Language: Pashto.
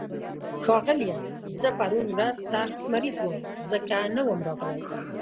ښاغليه، زه پرون ورځ سخت مريض وم، ځکه نه وم راغلی.